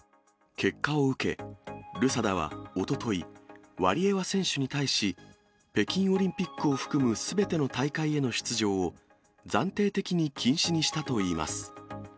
結果を受け、ルサダはおととい、ワリエワ選手に対し、北京オリンピックを含むすべての大会への出場を、暫定的に禁止にしたといいます。